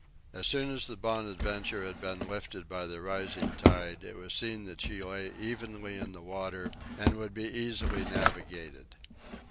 As soon as the "Bonadventure" had been lifted by the rising tide, it was seen that she lay evenly in the water, and would be easily navigated.